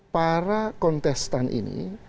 para kontestan ini